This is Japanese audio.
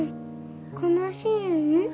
悲しいん？